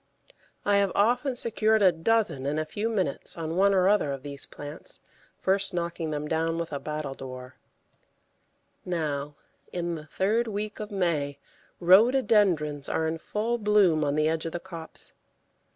I have often secured a dozen in a few minutes on one or other of these plants, first knocking them down with a battledore. Now, in the third week of May, Rhododendrons are in full bloom on the edge of the copse.